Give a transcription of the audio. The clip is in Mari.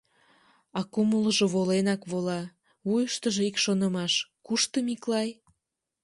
А кумылжо воленак-вола, вуйыштыжо ик шонымаш — кушто Миклай?